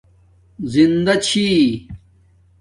زندݳ چھی